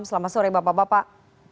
selamat sore bapak bapak